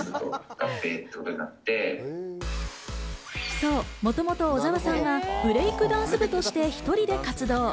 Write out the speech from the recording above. そう、もともと小澤さんはブレイクダンス部として１人で活動。